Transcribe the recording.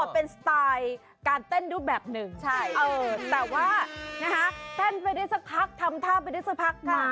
เป็นสไตล์การเต้นรูปแบบหนึ่งใช่แต่ว่าเต้นไปได้สักพักทำท่าไปได้สักพักค่ะ